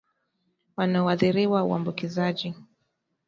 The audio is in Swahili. wanaoathiriwa uambukizaji